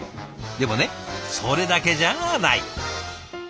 でもねそれだけじゃない。